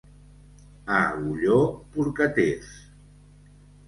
A Agulló, porcaters.